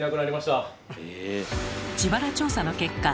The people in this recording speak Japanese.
自腹調査の結果